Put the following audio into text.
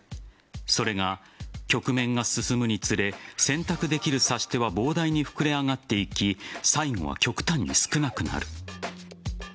それが、局面が進むにつれ選択できる指し手は膨大に膨れ上がっていき最後は極端に少なくなる。